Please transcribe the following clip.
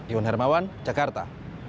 iwan hermawan jakarta